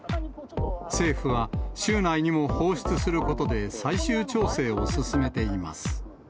政府は週内にも放出することで、最終調整を進めています。